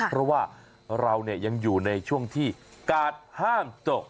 เพราะว่าเรายังอยู่ในช่วงที่กาดห้ามจบ